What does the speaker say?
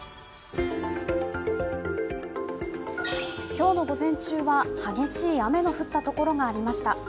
今日の午前中は激しい雨が降ったところがありました。